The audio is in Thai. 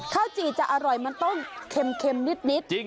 จีจะอร่อยมันต้องเค็มนิด